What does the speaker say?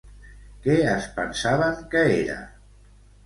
Què es pensaven que era?